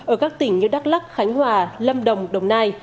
ở các tỉnh như đắk lắc khánh hòa lâm đồng đồng nai